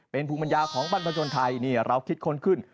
เป็นภูมิปัญญาของบรรพชนไทยนี่เราคิดค้นขึ้น